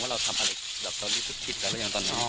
ว่าเราทำอะไรเดี๋ยวตอนนี้รู้สึกผิดกันหรือยังตอนนั้นอ๋อ